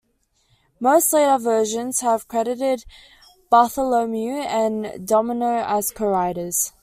Most later versions have credited Bartholomew and Domino as co-writers.